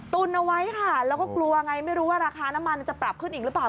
ตุนเอาไว้ค่ะแล้วก็กลัวไงไม่รู้ว่าราคาน้ำมันจะปรับขึ้นอีกหรือเปล่า